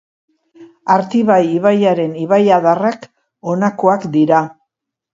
Artibai ibaiaren ibaiadarrak honakoak dira.